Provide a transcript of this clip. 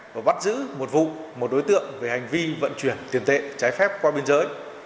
và bắt giữ một vụ một đối tượng về hành vi vận chuyển tiền tệ trái phép qua biên giới